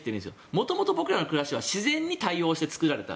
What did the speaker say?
元々、僕らの暮らしは自然に対応して作られた。